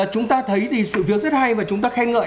chúng ta thấy thì sự việc rất hay và chúng ta khen ngợi